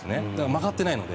曲がってないので。